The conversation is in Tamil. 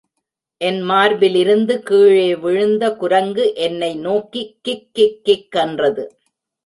என் மார்பிலிருந்து கீழே விழுந்த குரங்கு என்னை நோக்கி கிக் கிக் கிக் என்றது.